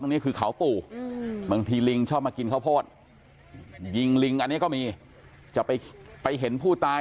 นี่คือเขาปู่บางทีลิงชอบมากินข้าวโพดยิงลิงอันนี้ก็มีจะไปเห็นผู้ตาย